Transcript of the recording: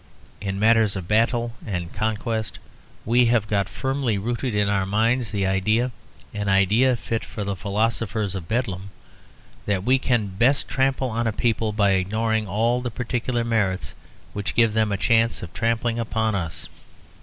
In matters of battle and conquest we have got firmly rooted in our minds the idea (an idea fit for the philosophers of Bedlam) that we can best trample on a people by ignoring all the particular merits which give them a chance of trampling upon us.